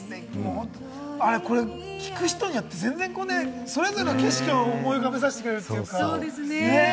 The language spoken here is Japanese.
これ、聴く人によって全然、それぞれの景色を思い浮かばせてくれるというかね。